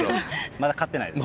まだ買ってないです。